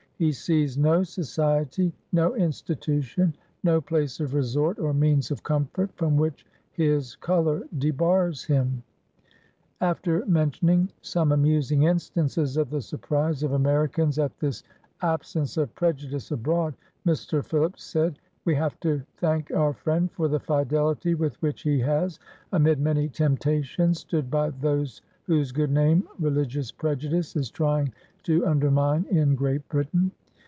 He sees no society, no institution, no place of resort or means of comfort from which his color debars him." After mentioning some amusing instances of the surprise of Americans at this absence of prejudice abroad, Mr. Phillips said, — "We have to thank our friend for the fidelity with which he has, amid many temptations, stood by those whose good name religious prejudice is trying to undermine in Great Britain.